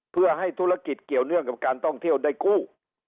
เพื่อให้ธุรกิจเกี่ยวเนื่องกับการท่องเที่ยวได้กู้